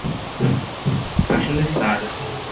আসলে, স্যার।